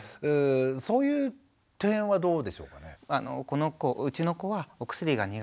そういう点はどうでしょうかね。